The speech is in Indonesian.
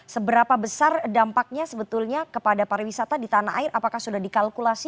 seberapa besar dampaknya sebetulnya kepada pariwisata di tanah air apakah sudah dikalkulasi